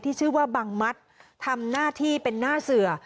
ชื่อว่าบังมัดทำหน้าที่เป็นหน้าเสือ